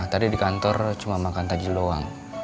tadi di kantor cuma makan tagi loang